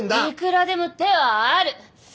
いくらでも手はある。